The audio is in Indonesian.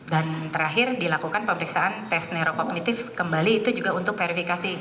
dan terakhir dilakukan pemeriksaan tes neurokognitif kembali itu juga untuk verifikasi